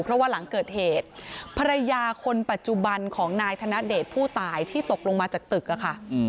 เพราะว่าหลังเกิดเหตุภรรยาคนปัจจุบันของนายธนเดชผู้ตายที่ตกลงมาจากตึกอะค่ะ